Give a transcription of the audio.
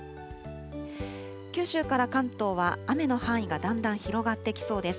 九州から関東は雨の範囲がだんだん広がってきそうです。